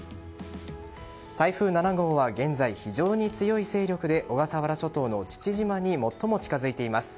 台風７号は現在非常に強い勢力で小笠原諸島の父島に最も近づいています。